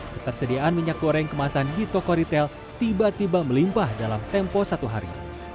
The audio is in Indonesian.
ketersediaan minyak goreng kemasan di toko ritel tiba tiba melimpah dalam tempo satu hari